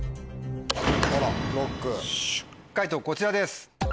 解答こちらです。